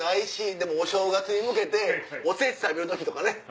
でもお正月に向けてお節食べる時とかね。